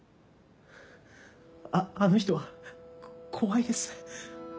ああの人は怖いです。